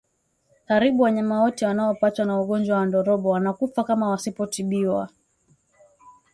Karibu wanyama wote wanaopatwa na ugonjwa wa ndorobo wanakufa kama wasipotibiwa